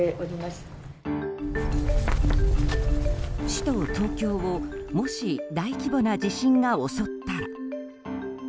首都・東京をもし大規模な地震が襲ったら。